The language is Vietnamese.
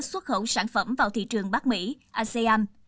xuất khẩu sản phẩm vào thị trường bắc mỹ asean